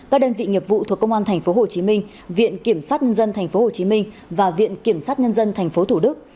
các đơn vị nghiệp vụ thuộc công an tp hcm viện kiểm sát nhân dân tp hcm và viện kiểm sát nhân dân tp thủ đức